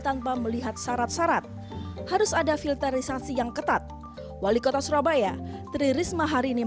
tanpa melihat syarat syarat harus ada filterisasi yang ketat wali kota surabaya tri risma hari ini